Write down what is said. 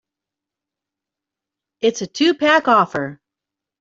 It's a two-pack offer.